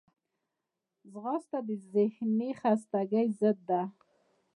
ځغاسته د ذهني خستګي ضد ده